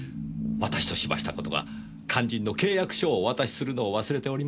私としました事が肝心の契約書をお渡しするのを忘れておりまして。